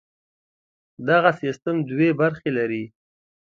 دغه سیستم دوې برخې لري.